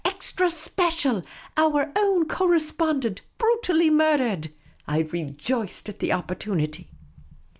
" Extra Special, Our Own Correspondent brutally mur dered !" I rejoiced at the opportunity.